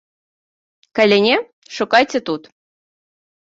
Калі не, шукайце тут!